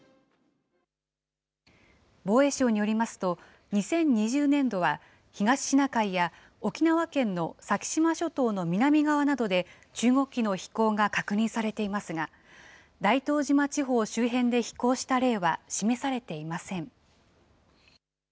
防衛省によりますと、２０２０年度は、東シナ海や沖縄県の先島諸島の南側などで中国機の飛行が確認されていますが、大東島地方周辺で飛行した例は示されていません。